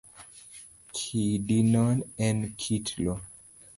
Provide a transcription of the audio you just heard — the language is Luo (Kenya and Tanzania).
Kidino en kit loo